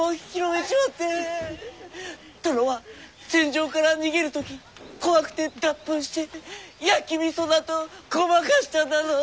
殿は戦場から逃げる時怖くて脱糞して焼きみそだとごまかしただの。